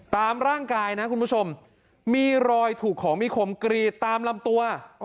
ตามร่างกายนะคุณผู้ชมมีรอยถูกของมีคมกรีดตามลำตัว